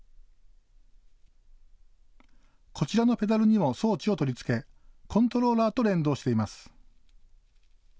こちらのペダルにも装置を取り付けコントローラーと連動しています。